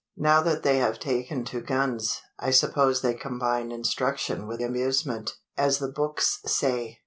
Now that they have taken to guns, I suppose they combine instruction with amusement, as the books say.